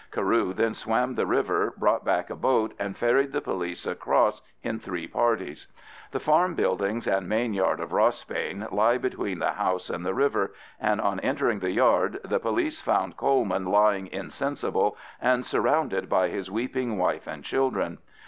Carew then swam the river, brought back a boat, and ferried the police across in three parties. The farm buildings and main yard of Rossbane lie between the house and the river, and on entering the yard the police found Coleman lying insensible and surrounded by his weeping wife and children.